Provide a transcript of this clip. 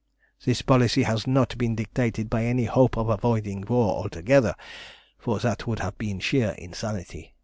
"This policy has not been dictated by any hope of avoiding war altogether, for that would have been sheer insanity.